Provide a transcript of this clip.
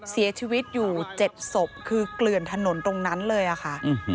เสียชีวิตอยู่๗ศพคือเกลื่อนถนนตรงนั้นเลยค่ะ